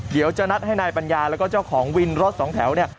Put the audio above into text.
เดี๋ยวจะนัดให้นายปัญญาแล้วก็เจ้าของวินรถสองแถวเนี่ย